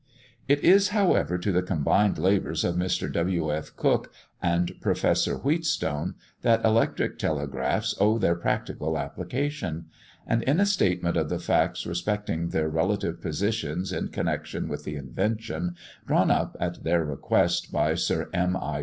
It is, however, to the combined labours of Mr. W. F. Cooke and Professor Wheatstone that electric telegraphs owe their practical application; and, in a statement of the facts respecting their relative positions in connection with the invention, drawn up at their request by Sir M. I.